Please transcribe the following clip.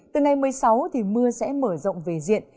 từ ngày một mươi sáu mưa sẽ mở rộng về diện